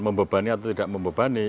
membebani atau tidak membebani